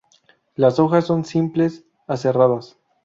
Las hojas son simples, aserradas.